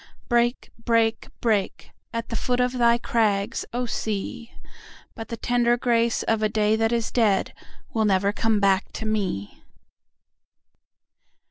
Break, break, break, At the foot of thy crags, O Sea! But the tender grace of a day that is deadWill never come back to me.